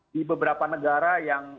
di beberapa negara yang